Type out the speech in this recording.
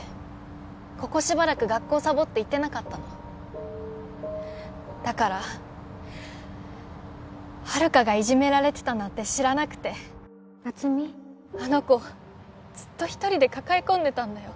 ここしばらく学校サボって行ってなかったのだから遙がいじめられてたなんて知らなくて夏美あの子ずっと一人で抱え込んでたんだよ